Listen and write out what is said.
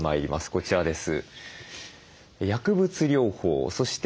こちらです。